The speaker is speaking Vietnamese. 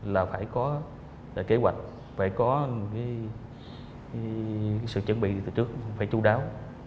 là phải có kế hoạch phải có một sự chuẩn bị từ trước phải chú đáo